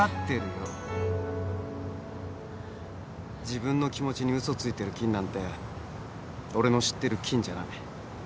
自分の気持ちに嘘ついてるキンなんて俺の知ってるキンじゃない。